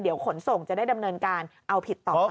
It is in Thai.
เดี๋ยวขนส่งจะได้ดำเนินการเอาผิดต่อ